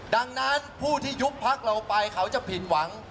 ดังนั้นผู้ที่ยุบพักเราไปเขาจะผิดหวัง